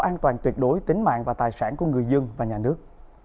an toàn tuyệt đối tính mạng và tài sản của người dân và nhà nước